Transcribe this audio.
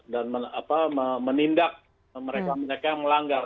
dan menindak mereka mereka yang melanggar